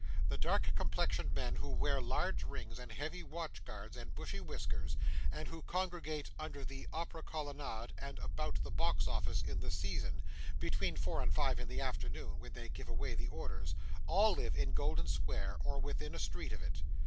The dark complexioned men who wear large rings, and heavy watch guards, and bushy whiskers, and who congregate under the Opera Colonnade, and about the box office in the season, between four and five in the afternoon, when they give away the orders, all live in Golden Square, or within a street of it.